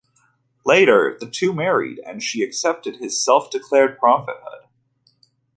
Later, the two married and she accepted his self-declared prophethood.